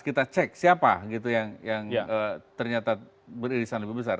kita cek siapa gitu yang ternyata beririsan lebih besar